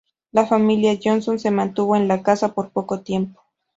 La familia Johnson se mantuvo en la casa por poco tiempo.